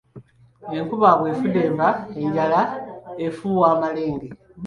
Enkuba bw’efudemba, enjala efuuwa malenge.